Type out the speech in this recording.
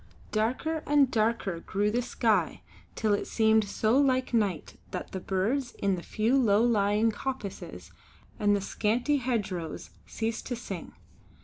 Darker and darker grew the sky, till it seemed so like night that the birds in the few low lying coppices and the scanty hedgerows ceased to sing.